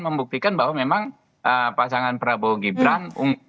membuktikan bahwa memang pasangan prabowo gibran